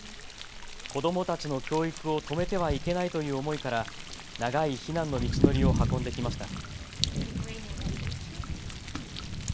子どもたちの教育を止めてはいけないという思いから長い避難の道のりを運んできました。